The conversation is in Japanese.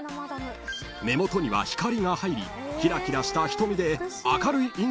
［目元には光が入りキラキラした瞳で明るい印象に仕上げた］